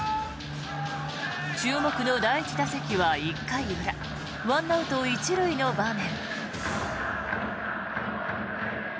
注目の第１打席は１回裏１アウト１塁の場面。